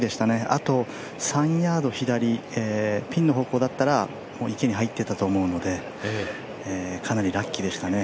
あと３ヤード左、ピンの方向だったらもう池に入っていたと思うのでかなりラッキーでしたね。